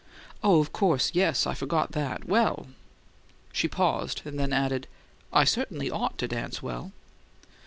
"Oh, of course, yes. I forgot that. Well " She paused, then added, "I certainly OUGHT to dance well."